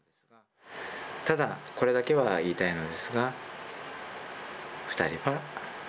ただこれだけは言いたいのですが２人は。